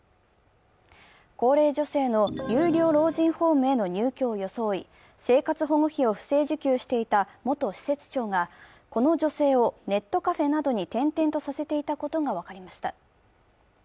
高齢女性の有料老人ホームへの入居を装い、生活保護費を不正受給していた元施設長が、この女性をネットカフェなどに転々とさせていたことが分かりました。